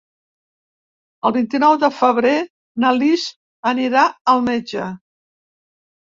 El vint-i-nou de febrer na Lis anirà al metge.